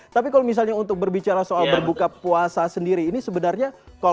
tapi kalau misalnya untuk berbicara soal berbuka puasa sendiri ini sebenarnya